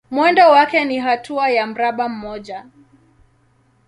Mwendo wake ni hatua ya mraba mmoja.